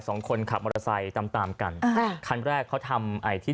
สองคนขับมอเตอร์ไซย์ตามกันคันแรกเขาทำอะที่